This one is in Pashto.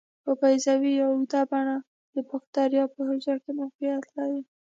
په بیضوي یا اوږده بڼه د باکتریا په حجره کې موقعیت لري.